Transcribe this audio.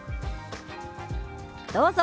どうぞ。